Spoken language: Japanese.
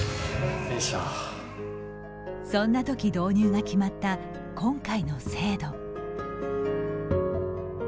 そんなとき導入が決まった今回の制度。